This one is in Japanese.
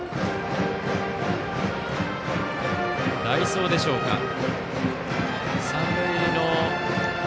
代走でしょうか。